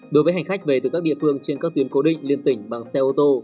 đối với hành khách về từ các địa phương trên các tuyến cố định liên tỉnh bằng xe ô tô